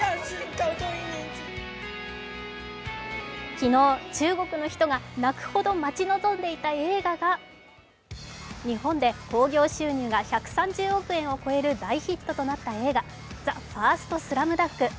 昨日、中国の人が泣くほど待ち望んでいた映画が日本で興行収入が１３０億円を超える大ヒットとなった映画、「ＴＨＥＦＩＲＳＴＳＬＡＭＤＵＮＫ」